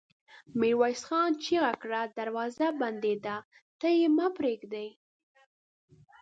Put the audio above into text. ميرويس خان چيغه کړه! دروازه بندېدا ته مه پرېږدئ!